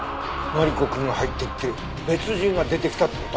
マリコくんが入っていって別人が出てきたって事？